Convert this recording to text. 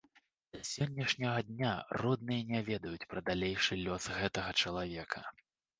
Да сённяшняга дня родныя не ведаюць пра далейшы лёс гэтага чалавека.